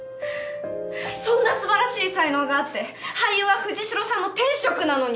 そんなすばらしい才能があって俳優は藤代さんの天職なのに。